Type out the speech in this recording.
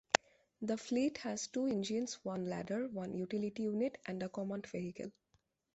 The fleet has two Engines, one Ladder, one Utility Unit, and a Command Vehicle.